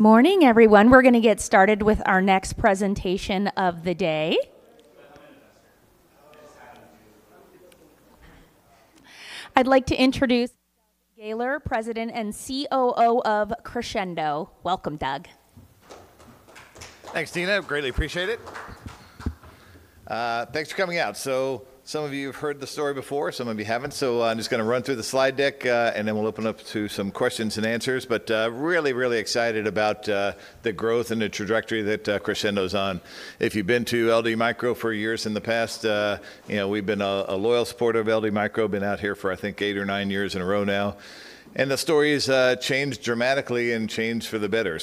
Morning, everyone. We're gonna get started with our next presentation of the day. I'd like to introduce Doug Gaylor, President and COO of Crexendo. Welcome, Doug. Thanks, Tina. Greatly appreciate it. Thanks for coming out. Some of you have heard the story before, some of you haven't. I'm just gonna run through the slide deck, and then we'll open up to some questions-and-answers. Really, really excited about the growth and the trajectory that Crexendo's on. If you've been to LD Micro for years in the past, you know, we've been a loyal supporter of LD Micro, been out here for I think eight or nine years in a row now. The story's changed dramatically and changed for the better.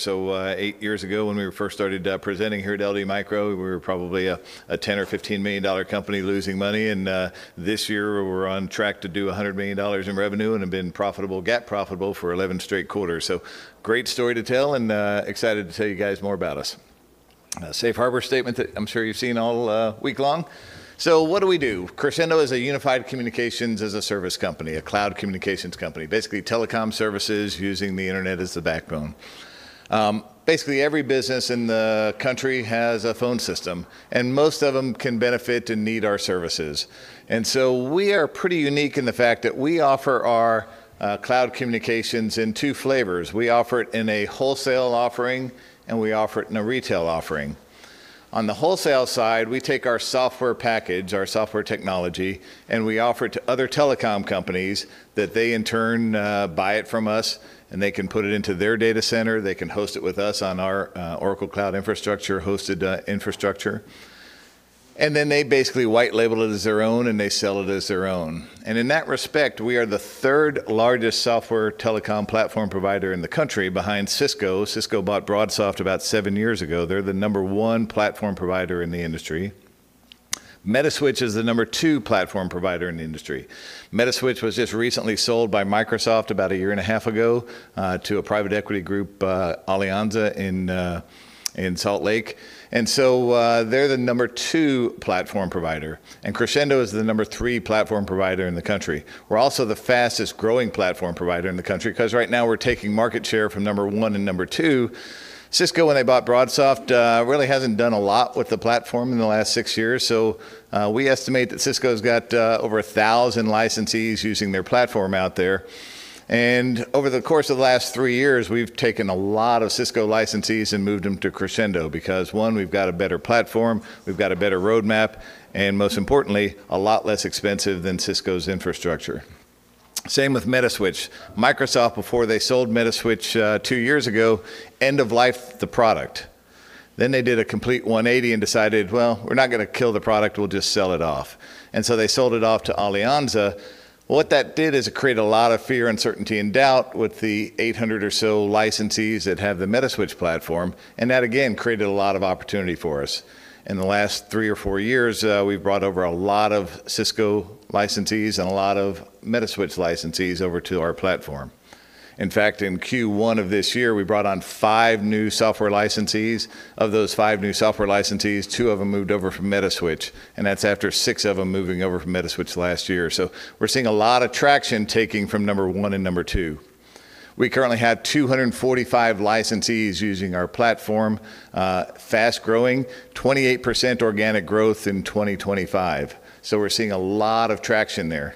Eight years ago when we were first started, presenting here at LD Micro, we were probably a $10 million or $15 million company losing money. This year we're on track to do $100 million in revenue and have been profitable, GAAP profitable, for 11 straight quarters. Great story to tell, excited to tell you guys more about us. A safe harbor statement that I'm sure you've seen all week long. What do we do? Crexendo is a unified communications as a service company, a cloud communications company, basically telecom services using the internet as the backbone. Basically every business in the country has a phone system, and most of them can benefit and need our services. We are pretty unique in the fact that we offer our cloud communications in two flavors. We offer it in a wholesale offering, and we offer it in a retail offering. On the wholesale side, we take our software package, our software technology, and we offer it to other telecom companies that they in turn, buy it from us, and they can put it into their data center. They can host it with us on our Oracle Cloud Infrastructure, hosted infrastructure. Then they basically white label it as their own, and they sell it as their own. In that respect, we are the third largest software telecom platform provider in the country behind Cisco. Cisco bought BroadSoft about seven years ago. They're the number one platform provider in the industry. Metaswitch is the number two platform provider in the industry. Metaswitch was just recently sold by Microsoft about a year and a half ago, to a private equity group, Alianza in Salt Lake. They're the number two platform provider, and Crexendo is the number three platform provider in the country. We're also the fastest growing platform provider in the country because right now we're taking market share from number one and number two. Cisco, when they bought BroadSoft, really hasn't done a lot with the platform in the last six years. We estimate that Cisco's got over 1,000 licensees using their platform out there. Over the course of the last three years, we've taken a lot of Cisco licensees and moved them to Crexendo because, one, we've got a better platform, we've got a better roadmap, and most importantly, a lot less expensive than Cisco's infrastructure. Same with Metaswitch. Microsoft, before they sold Metaswitch, two years ago, end-of-lifed the product. They did a complete 180 and decided, "Well, we're not gonna kill the product. We'll just sell it off." They sold it off to Alianza. What that did is it created a lot of fear, uncertainty, and doubt with the 800 or so licensees that have the Metaswitch platform, and that again created a lot of opportunity for us. In the last three or four years, we've brought over a lot of Cisco licensees and a lot of Metaswitch licensees over to our platform. In fact, in Q1 of this year, we brought on five new software licensees. Of those five new software licensees, two of them moved over from Metaswitch, and that's after six of them moving over from Metaswitch last year. We're seeing a lot of traction taking from number one and number two. We currently have 245 licensees using our platform, fast-growing, 28% organic growth in 2025. We're seeing a lot of traction there.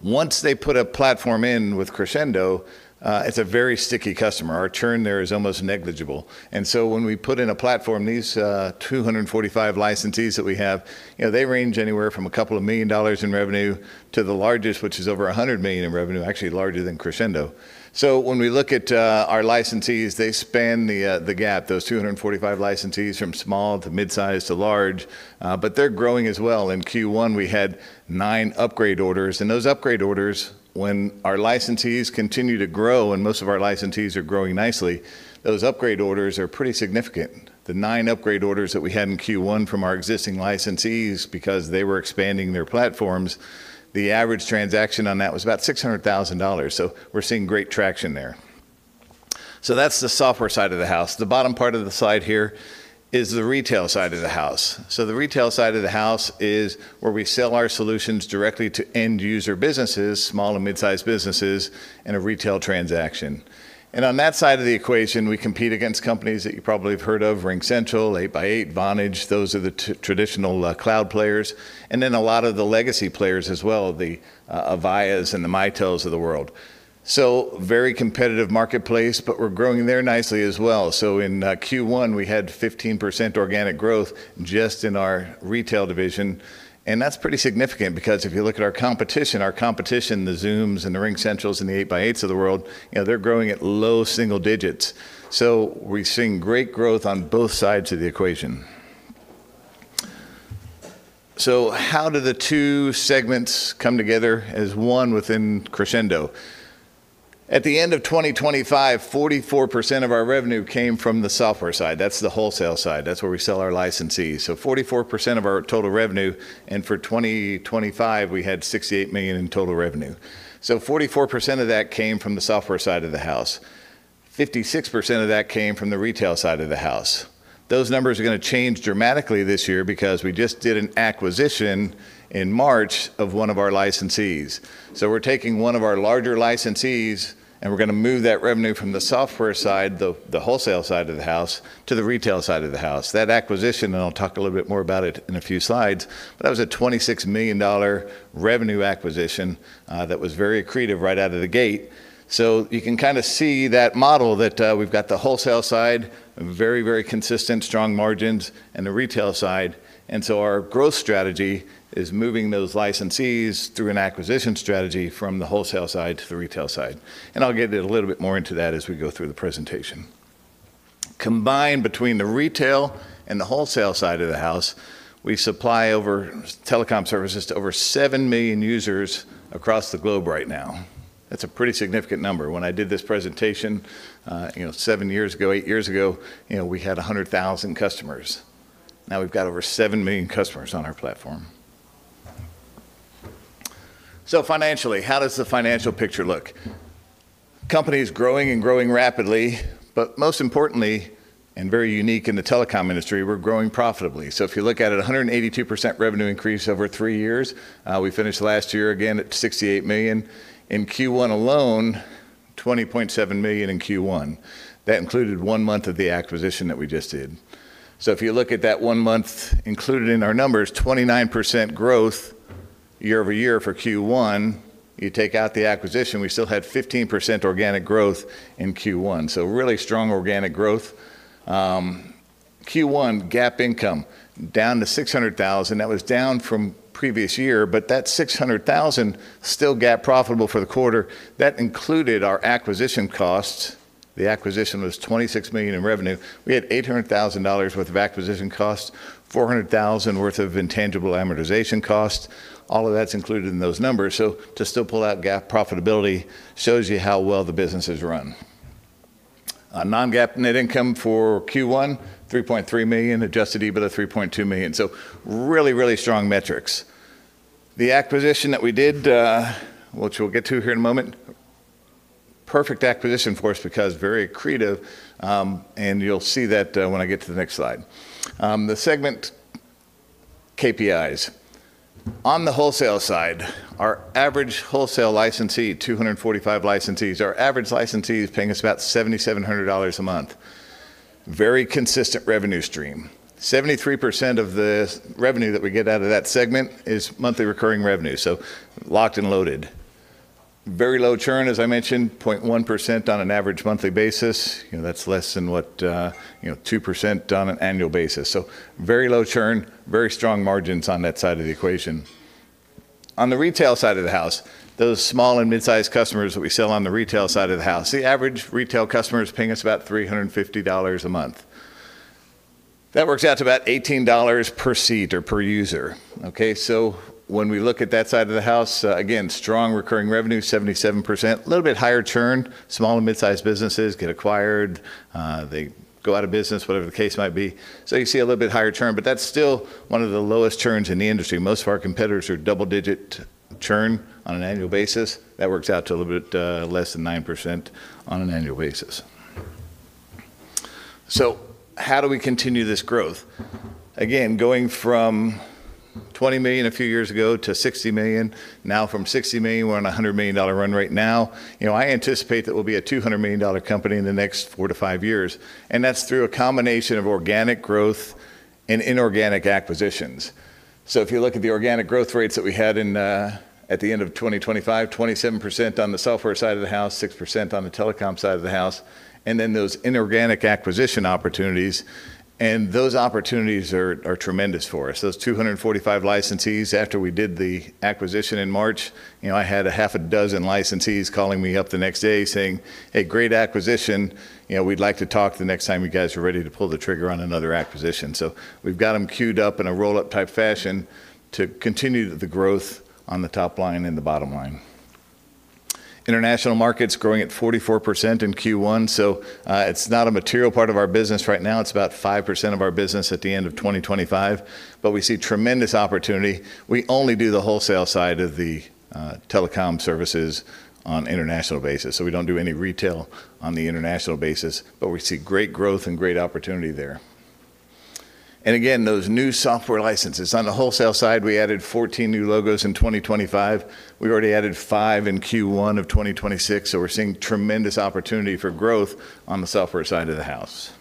Once they put a platform in with Crexendo, it's a very sticky customer. Our churn there is almost negligible. When we put in a platform, these 245 licensees that we have, you know, they range anywhere from a couple of million dollars in revenue to the largest, which is over $100 million in revenue, actually larger than Crexendo. When we look at our licensees, they span the gap, those 245 licensees from small to mid-size to large. They're growing as well. In Q1, we had nine upgrade orders. Those upgrade orders, when our licensees continue to grow, and most of our licensees are growing nicely, those upgrade orders are pretty significant. The nine upgrade orders that we had in Q1 from our existing licensees, because they were expanding their platforms, the average transaction on that was about $600,000. We're seeing great traction there. That's the software side of the house. The bottom part of the slide here is the retail side of the house. The retail side of the house is where we sell our solutions directly to end user businesses, small and mid-sized businesses, in a retail transaction. On that side of the equation, we compete against companies that you probably have heard of, RingCentral, 8x8, Vonage. Those are the traditional cloud players, and then a lot of the legacy players as well, the Avayas and the Mitels of the world. Very competitive marketplace, but we're growing there nicely as well. In Q1, we had 15% organic growth just in our retail division, and that's pretty significant because if you look at our competition, our competition, the Zooms and the RingCentral and the 8x8s of the world, you know, they're growing at low single digits. How do the two segments come together as one within Crexendo? At the end of 2025, 44% of our revenue came from the software side. That's the wholesale side. That's where we sell our licensees. Forty-four percent of our total revenue, and for 2025, we had $68 million in total revenue. 44% of that came from the software side of the house, 56% of that came from the retail side of the house. Those numbers are gonna change dramatically this year because we just did an acquisition in March of one of our licensees. We're taking one of our larger licensees, and we're gonna move that revenue from the software side, the wholesale side of the house, to the retail side of the house. That acquisition, and I'll talk a little bit more about it in a few slides, but that was a $26 million revenue acquisition that was very accretive right out of the gate. You can kinda see that model that we've got the wholesale side, very, very consistent, strong margins, and the retail side. Our growth strategy is moving those licensees through an acquisition strategy from the wholesale side to the retail side. I'll get a little bit more into that as we go through the presentation. Combined between the retail and the wholesale side of the house, we supply over telecom services to over seven million users across the globe right now. That's a pretty significant number. When I did this presentation, you know, seven years ago, eight years ago, you know, we had 100,000 customers. Now we've got over seven million customers on our platform. Financially, how does the financial picture look? Company's growing and growing rapidly, but most importantly, and very unique in the telecom industry, we're growing profitably. If you look at it, a 182% revenue increase over three years. We finished last year again at $68 million. In Q1 alone, $20.7 million in Q1. That included one month of the acquisition that we just did. If you look at that one month included in our numbers, 29% growth year-over-year for Q1. You take out the acquisition, we still had 15% organic growth in Q1, really strong organic growth. Q1 GAAP income down to $600,000. That was down from previous year, that $600,000 still GAAP profitable for the quarter. That included our acquisition costs. The acquisition was $26 million in revenue. We had $800,000 worth of acquisition costs, $400,000 worth of intangible amortization costs. All of that's included in those numbers, to still pull out GAAP profitability shows you how well the business is run. Non-GAAP net income for Q1, $3.3 million, adjusted EBITDA $3.2 million. Really strong metrics. The acquisition that we did, which we'll get to here in a moment, perfect acquisition for us because very accretive, and you'll see that when I get to the next slide. The segment KPIs. On the wholesale side, our average wholesale licensee, 245 licensees, our average licensee is paying us about $7,700 a month. Very consistent revenue stream. 73% of the revenue that we get out of that segment is monthly recurring revenue, so locked and loaded. Very low churn, as I mentioned, 0.1% on an average monthly basis. You know, that's less than what, you know, 2% on an annual basis. Very low churn, very strong margins on that side of the equation. On the retail side of the house, those small and mid-sized customers that we sell on the retail side of the house, the average retail customer is paying us about $350 a month. That works out to about $18 per seat or per user, okay? When we look at that side of the house, again, strong recurring revenue, 77%. A little bit higher churn. Small and mid-sized businesses get acquired, they go out of business, whatever the case might be. You see a little bit higher churn, but that's still one of the lowest churns in the industry. Most of our competitors are double-digit churn on an annual basis. That works out to a little bit less than 9% on an annual basis. How do we continue this growth? Again, going from $20 million a few years ago to $60 million, now from $60 million, we're on a $100 million dollar run rate now. You know, I anticipate that we'll be a $200 million company in the next four to five years, and that's through a combination of organic growth and inorganic acquisitions. If you look at the organic growth rates that we had in at the end of 2025, 27% on the software side of the house, 6% on the telecom side of the house, and then those inorganic acquisition opportunities, and those opportunities are tremendous for us. Those 245 licensees, after we did the acquisition in March, you know, I had a half a dozen licensees calling me up the next day saying, "Hey, great acquisition. You know, we'd like to talk the next time you guys are ready to pull the trigger on another acquisition." We've got them queued up in a roll-up type fashion to continue the growth on the top line and the bottom line. International markets growing at 44% in Q1, it's not a material part of our business right now. It's about 5% of our business at the end of 2025, we see tremendous opportunity. We only do the wholesale side of the telecom services on international basis, we don't do any retail on the international basis, we see great growth and great opportunity there. Again, those new software licenses. On the wholesale side, we added 14 new logos in 2025. We've already added five in Q1 of 2026, so we're seeing tremendous opportunity for growth on the software side of the house.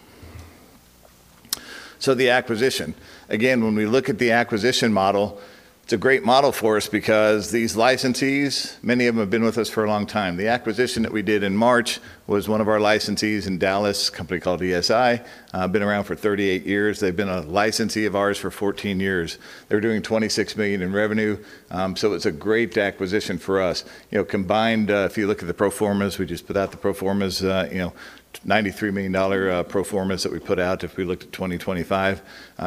The acquisition. Again, when we look at the acquisition model, it's a great model for us because these licensees, many of them have been with us for a long time. The acquisition that we did in March was one of our licensees in Dallas, a company called ESI. They've been around for 38 years. They've been a licensee of ours for 14 years. They were doing $26 million in revenue, so it's a great acquisition for us. You know, combined, if you look at the pro formas, we just put out the pro formas, you know, $93 million pro formas that we put out if we looked at 2025.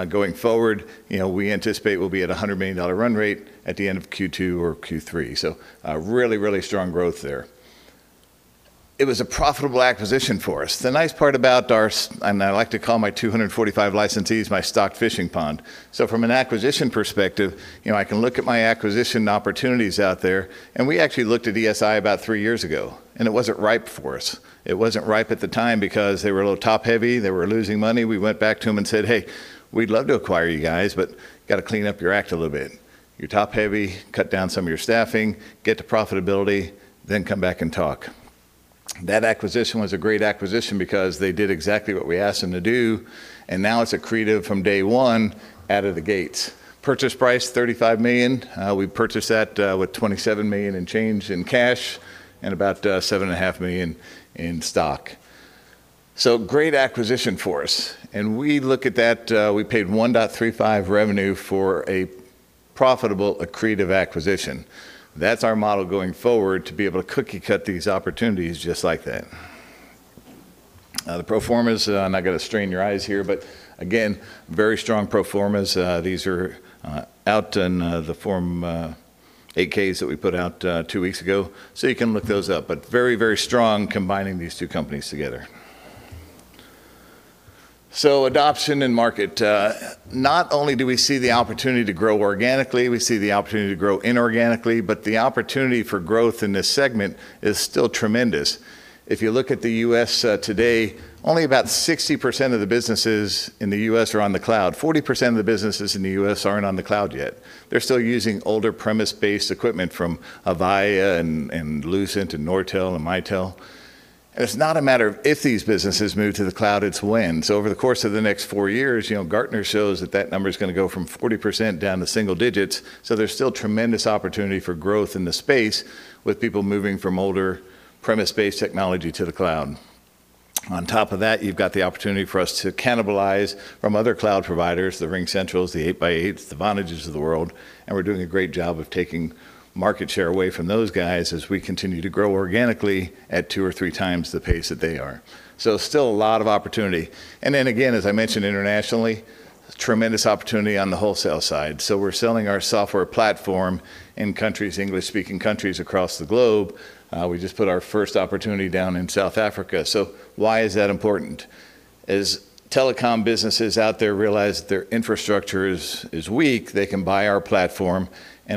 Going forward, you know, we anticipate we'll be at a $100 million run rate at the end of Q2 or Q3. Really strong growth there. It was a profitable acquisition for us. The nice part about and I like to call my 245 licensees my stock fishing pond. From an acquisition perspective, you know, I can look at my acquisition opportunities out there, and we actually looked at ESI about three years ago, and it wasn't ripe for us. It wasn't ripe at the time because they were a little top-heavy, they were losing money. We went back to them and said, "Hey, we'd love to acquire you guys, but you gotta clean up your act a little bit. You're top-heavy. Cut down some of your staffing, get to profitability, then come back and talk." That acquisition was a great acquisition because they did exactly what we asked them to do, and now it's accretive from day one out of the gates. Purchase price, $35 million. We purchased that with $27 million in change in cash and about 7.5 million in stock. Great acquisition for us. We look at that, we paid 1.35 revenue for a profitable accretive acquisition. That's our model going forward to be able to cookie cut these opportunities just like that. The pro formas, I'm not gonna strain your eyes here, but again, very strong pro formas. These are out in the form 8-Ks that we put out two weeks ago. You can look those up, but very strong combining these two companies together. Not only do we see the opportunity to grow organically, we see the opportunity to grow inorganically, the opportunity for growth in this segment is still tremendous. If you look at the U.S. today, only about 60% of the businesses in the U.S. are on the cloud. 40% of the businesses in the U.S. aren't on the cloud yet. They're still using older premise-based equipment from Avaya and Lucent and Nortel and Mitel. It's not a matter of if these businesses move to the cloud, it's when. Over the course of the next four years, you know, Gartner shows that that number's gonna go from 40% down to single digits, there's still tremendous opportunity for growth in the space with people moving from older premise-based technology to the cloud. On top of that, you've got the opportunity for us to cannibalize from other cloud providers, the RingCentrals, the 8x8s, the Vonages of the world, we're doing a great job of taking market share away from those guys as we continue to grow organically at 2x or 3x the pace that they are. Still a lot of opportunity. Again, as I mentioned internationally, tremendous opportunity on the wholesale side. We're selling our software platform in countries, English-speaking countries across the globe. We just put our first opportunity down in South Africa. Why is that important? As telecom businesses out there realize their infrastructure is weak,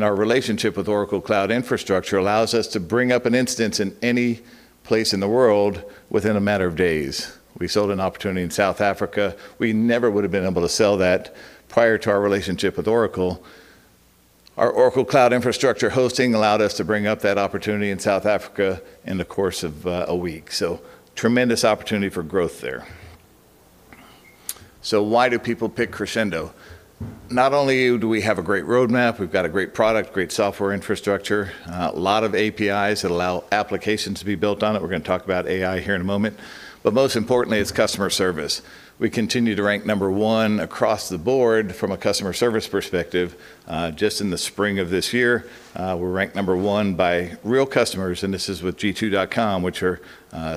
our relationship with Oracle Cloud Infrastructure allows us to bring up an instance in any place in the world within a matter of days. We sold an opportunity in South Africa. We never would have been able to sell that prior to our relationship with Oracle. Our Oracle Cloud Infrastructure hosting allowed us to bring up that opportunity in South Africa in the course of a week. Tremendous opportunity for growth there. Why do people pick Crexendo? Not only do we have a great roadmap, we've got a great product, great software infrastructure, a lot of APIs that allow applications to be built on it. We're gonna talk about AI here in a moment. Most importantly, it's customer service. We continue to rank number one across the board from a customer service perspective. Just in the spring of this year, we're ranked number one by real customers, and this is with G2.com, which are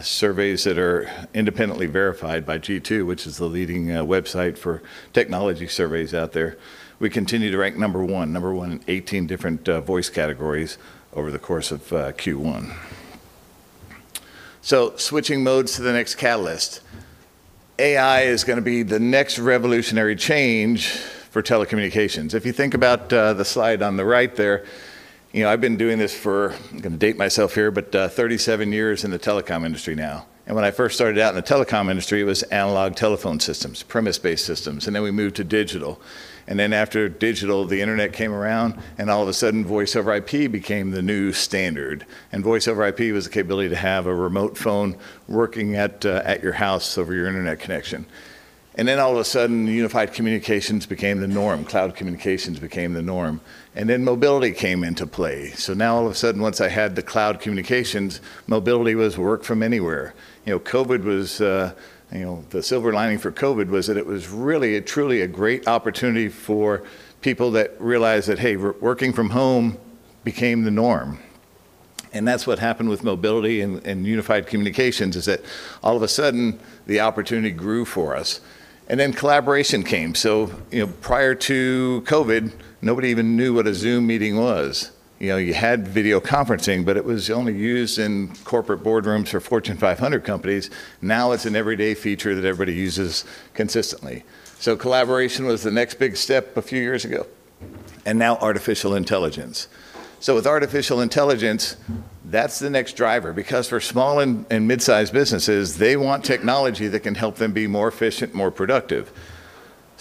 surveys that are independently verified by G2, which is the leading website for technology surveys out there. We continue to rank number one, number one in 18 different voice categories over the course of Q1. Switching modes to the next catalyst. AI is gonna be the next revolutionary change for telecommunications. If you think about the slide on the right there, you know, I've been doing this for, I'm gonna date myself here, but 37 years in the telecom industry now. When I first started out in the telecom industry, it was analog telephone systems, premise-based systems, and then we moved to digital. After digital, the internet came around, and all of a sudden, Voice over Internet Protocol became the new standard. Voice over Internet Protocol was the capability to have a remote phone working at your house over your internet connection. All of a sudden, Unified Communications became the norm. Cloud communications became the norm. Mobility came into play. All of a sudden, once I had the Cloud communications, mobility was work from anywhere. You know, COVID was, you know, the silver lining for COVID was that it was really truly a great opportunity for people that realized that, hey, working from home became the norm. That's what happened with mobility and Unified Communications, is that all of a sudden, the opportunity grew for us. Collaboration came. You know, prior to COVID, nobody even knew what a Zoom meeting was. You know, you had video conferencing, but it was only used in corporate boardrooms for Fortune 500 companies. Now it's an everyday feature that everybody uses consistently. Collaboration was the next big step a few years ago, and now artificial intelligence. With artificial intelligence, that's the next driver because for small and mid-sized businesses, they want technology that can help them be more efficient, more productive.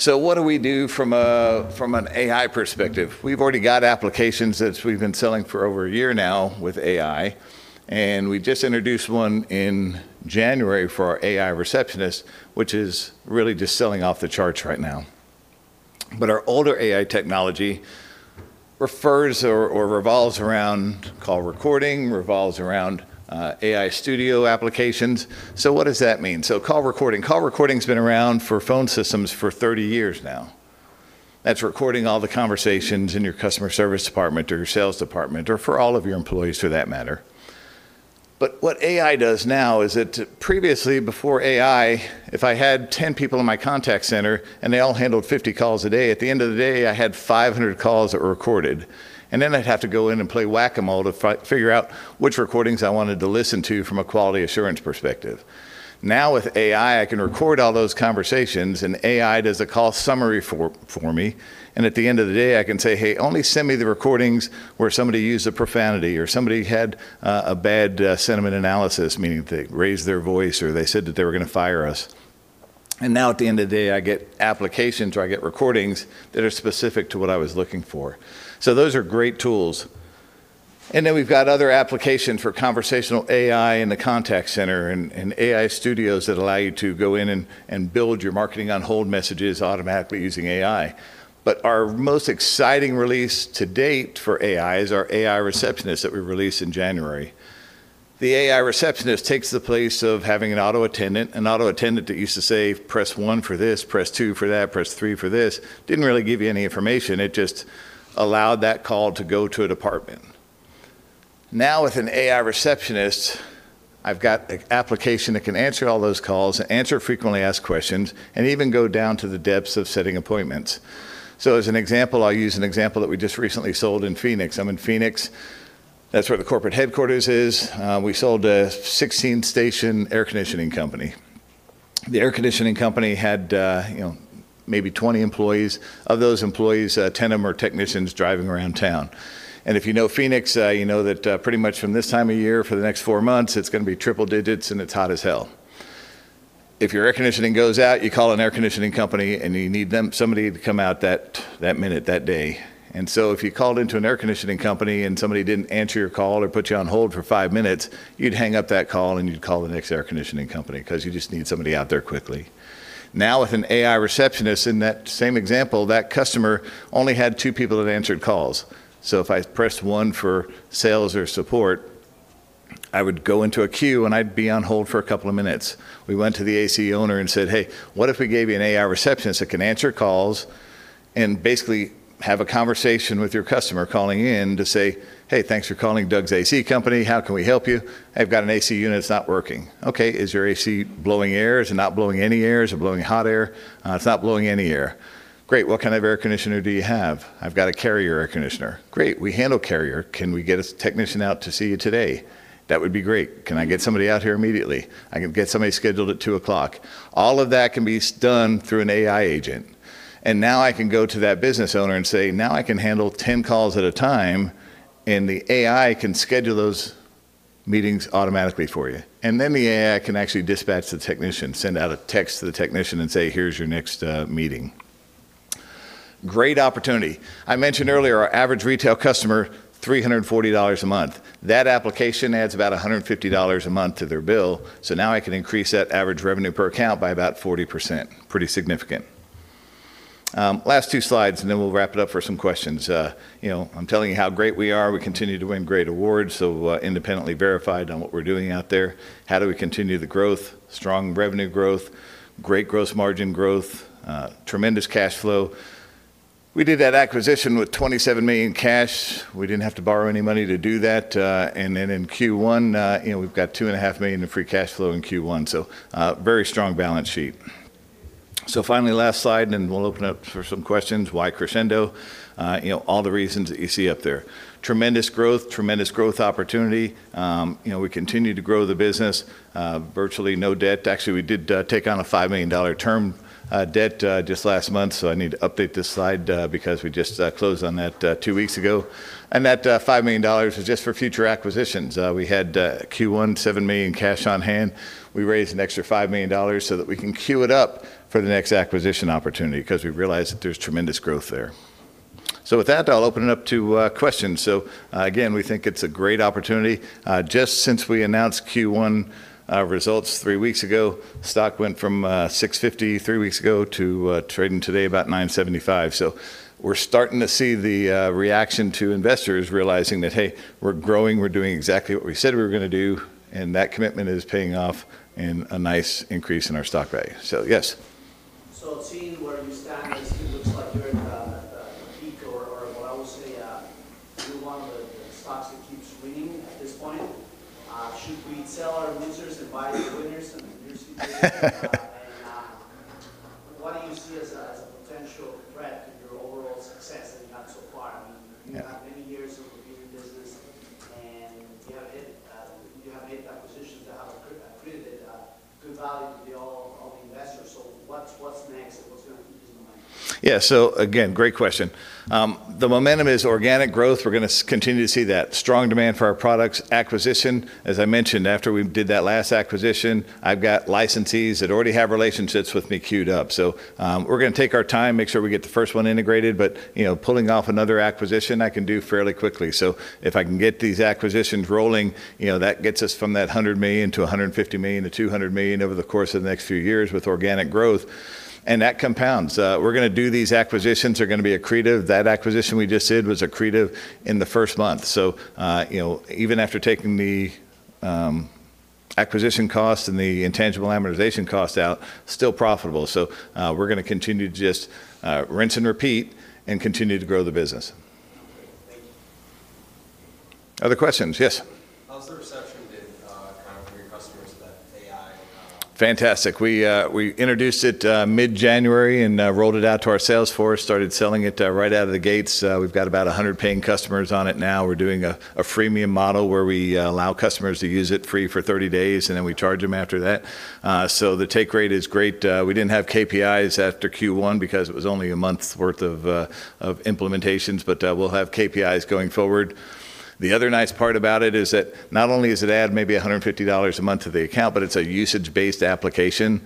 What do we do from an AI perspective? We've already got applications that we've been selling for over a year now with AI, and we just introduced one in January for our AI receptionist, which is really just selling off the charts right now. Our older AI technology refers or revolves around call recording, revolves around AI studio applications. What does that mean? Call recording. Call recording's been around for phone systems for 30 years now. That's recording all the conversations in your customer service department or your sales department, or for all of your employees for that matter. What AI does now is that previously before AI, if I had 10 people in my contact center and they all handled 50 calls a day, at the end of the day I had 500 calls that were recorded. Then I'd have to go in and play whac-a-mole to figure out which recordings I wanted to listen to from a quality assurance perspective. Now with AI, I can record all those conversations and AI does a call summary for me, and at the end of the day I can say, "Hey, only send me the recordings where somebody used a profanity or somebody had a bad sentiment analysis," meaning they raised their voice or they said that they were gonna fire us. Now at the end of the day I get applications or I get recordings that are specific to what I was looking for. Those are great tools. Then we've got other applications for conversational AI in the contact center and AI studios that allow you to go in and build your marketing on-hold messages automatically using AI. Our most exciting release to date for AI is our AI Receptionist that we released in January. The AI receptionist takes the place of having an auto attendant. An auto attendant that used to say, "Press one for this, press two for that, press three for this," didn't really give you any information. It just allowed that call to go to a department. Now with an AI receptionist, I've got an application that can answer all those calls, answer frequently asked questions, and even go down to the depths of setting appointments. As an example, I'll use an example that we just recently sold in Phoenix. I'm in Phoenix. That's where the corporate headquarters is. We sold a 16-station air conditioning company. The air conditioning company had, you know, maybe 20 employees. Of those employees, 10 of them are technicians driving around town. If you know Phoenix, you know that pretty much from this time of year for the next four months it's gonna be triple digits and it's hot as hell. If your air conditioning goes out, you call an air conditioning company and you need somebody to come out that minute, that day. If you called into an air conditioning company and somebody didn't answer your call or put you on hold for five minutes, you'd hang up that call and you'd call the next air conditioning company 'cause you just need somebody out there quickly. Now with an AI Receptionist in that same example, that customer only had two people that answered calls. If I pressed one for sales or support, I would go into a queue and I'd be on hold for a couple of minutes. We went to the AC owner and said, "Hey, what if we gave you an AI receptionist that can answer calls and basically have a conversation with your customer calling in to say, 'Hey, thanks for calling Doug's AC Company. How can we help you?' 'I've got an AC unit, it's not working.' 'Okay. Is your AC blowing air? Is it not blowing any air? Is it blowing hot air?' 'It's not blowing any air.' 'Great. What kind of air conditioner do you have?' 'I've got a Carrier air conditioner.' 'Great. We handle Carrier. Can we get a technician out to see you today?' 'That would be great. Can I get somebody out here immediately?' 'I can get somebody scheduled at 2:00.'" All of that can be done through an AI agent. Now I can go to that business owner and say, "Now I can handle 10 calls at a time, and the AI can schedule those meetings automatically for you." Then the AI can actually dispatch the technician, send out a text to the technician and say, "Here's your next meeting." Great opportunity. I mentioned earlier our average retail customer, $340 a month. That application adds about $150 a month to their bill, so now I can increase that average revenue per account by about 40%. Pretty significant. Last two slides and then we'll wrap it up for some questions. You know, I'm telling you how great we are. We continue to win great awards, so independently verified on what we're doing out there. How do we continue the growth? Strong revenue growth, great gross margin growth, tremendous cash flow. We did that acquisition with $27 million cash. We didn't have to borrow any money to do that. And then in Q1, you know, we've got $2.5 million in free cash flow in Q1, very strong balance sheet. Finally, last slide, and then we'll open up for some questions. Why Crexendo? You know, all the reasons that you see up there. Tremendous growth, tremendous growth opportunity. You know, we continue to grow the business. Virtually no debt. Actually, we did take on a $5 million term debt just last month, I need to update this slide because we just closed on that two weeks ago. That $5 million was just for future acquisitions. We had Q1 $7 million cash on hand. We raised an extra $5 million so that we can queue it up for the next acquisition opportunity, 'cause we've realized that there's tremendous growth there. With that, I'll open it up to questions. Again, we think it's a great opportunity. Just since we announced Q1 results three weeks ago, stock went from $6.50, three weeks ago to trading today about $9.75. We're starting to see the reaction to investors realizing that, hey, we're growing, we're doing exactly what we said we were gonna do, and that commitment is paying off in a nice increase in our stock value. Yes. Seeing where you stand, it seems like you're at the peak or what I would say, you're one of the stocks that keeps ringing at this point. Should we sell our losers and buy your winners in your situation? What do you see as a potential threat to your overall success that you've had so far? I mean, you've had many years of being in business, and you have made acquisitions that have accreted, good value to the all the investors. What's, what's next and what's gonna keep you in the mind? Again, great question. The momentum is organic growth. We're gonna continue to see that. Strong demand for our products. Acquisition, as I mentioned, after we did that last acquisition, I've got licensees that already have relationships with me queued up. We're gonna take our time, make sure we get the first one integrated. You know, pulling off another acquisition, I can do fairly quickly. If I can get these acquisitions rolling, you know, that gets us from that $100 million to $150 million to $200 million over the course of the next few years with organic growth. That compounds. We're gonna do these acquisitions. They're gonna be accretive. That acquisition we just did was accretive in the first month, you know, even after taking the acquisition costs and the intangible amortization costs out, still profitable. we're gonna continue to just rinse and repeat and continue to grow the business. Okay. Thank you. Other questions? Yes. How's the reception been, kind of from your customers to that AI? Fantastic. We introduced it mid-January and rolled it out to our sales floor. Started selling it right out of the gates. We've got about 100 paying customers on it now. We're doing a freemium model where we allow customers to use it free for 30 days, and then we charge them after that. The take rate is great. We didn't have KPIs after Q1 because it was only a month's worth of implementations, but we'll have KPIs going forward. The other nice part about it is that not only does it add maybe $150 a month to the account, but it's a usage-based application.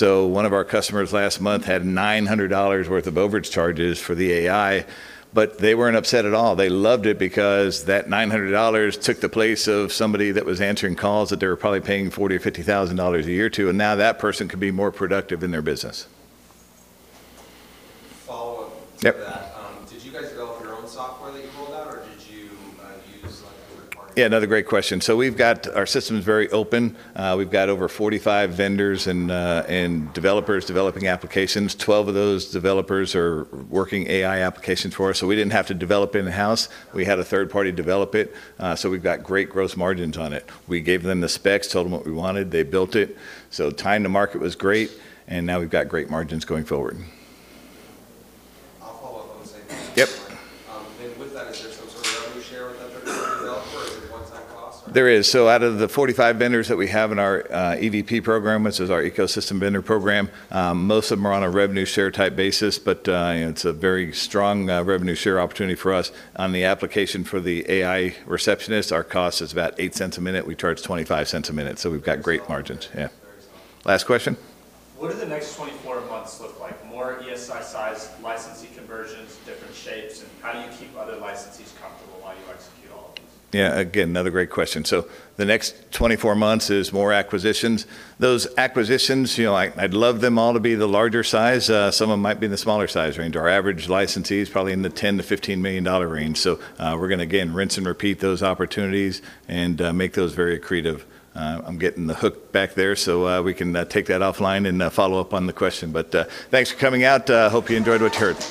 One of our customers last month had $900 worth of overage charges for the AI, but they weren't upset at all. They loved it because that $900 took the place of somebody that was answering calls that they were probably paying $40,000 or $50,000 a year to, and now that person can be more productive in their business. Follow-up to that. Yep. Did you guys develop your own software that you rolled out, or did you use a third party? Yeah, another great question. We've got Our system's very open. We've got over 45 vendors and developers developing applications. 12 of those developers are working AI applications for us. We didn't have to develop in-house. We had a third party develop it, we've got great gross margins on it. We gave them the specs, told them what we wanted. They built it. Time to market was great, and now we've got great margins going forward. I'll follow up on the same question. Yep. With that, is there some sort of revenue share with that third party developer, or is it one-time cost or? There is. Out of the 45 vendors that we have in our EVP program, which is our ecosystem vendor program, most of them are on a revenue share type basis. You know, it's a very strong revenue share opportunity for us. On the application for the AI receptionist, our cost is about $0.08 a minute. We charge $0.25 a minute, so we've got great margins. Very solid. Yeah. Last question. What do the next 24 months look like? More ESI size licensee conversions, different shapes, and how do you keep other licensees comfortable while you execute all of these? Yeah. Again, another great question. The next 24 months is more acquisitions. Those acquisitions, I'd love them all to be the larger size. Some of them might be in the smaller size range. Our average licensee is probably in the $10 million-$15 million range. We're gonna, again, rinse and repeat those opportunities and make those very accretive. I'm getting the hook back there, we can take that offline and follow up on the question. Thanks for coming out. Hope you enjoyed what you heard.